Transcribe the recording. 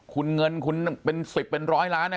คุณเงินเป็น๑๐เป็น๑๐๐ล้านนะ